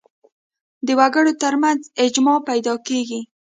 د وګړو تر منځ اجماع پیدا کېږي